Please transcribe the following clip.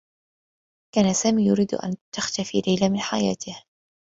كان سامي يريد أن تختفي ليلى من حياته.